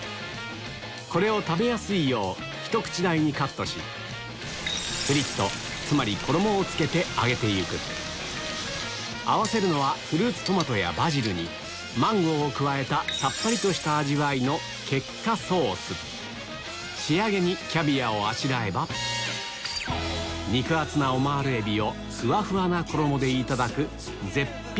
これを食べやすいようひと口大にカットし合わせるのはフルーツトマトやバジルにマンゴーを加えたさっぱりとした味わいの仕上げにキャビアをあしらえば肉厚なオマールエビをふわふわな衣でいただく絶品フリット